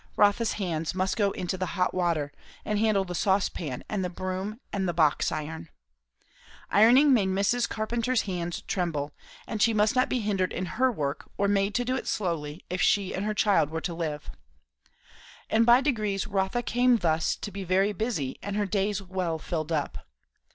Rotha's hands must go into the hot water, and handle the saucepan, and the broom, and the box iron. Ironing made Mrs. Carpenter's hands tremble; and she must not be hindered in her work or made to do it slowly, if she and her child were to live. And by degrees Rotha came thus to be very busy and her days well filled up.